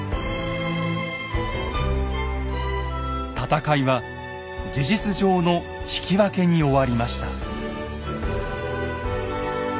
戦いは事実上の引き分けに終わりました。